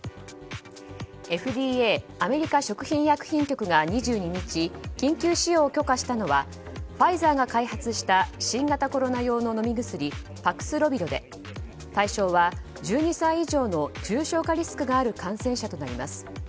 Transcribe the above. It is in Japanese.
ＦＤＡ・アメリカ食品医薬品局が２２日、緊急使用を許可したのはファイザーが開発した新型コロナ用の飲み薬パクスロビドで対象は１２歳以上の重症化リスクがある感染者となります。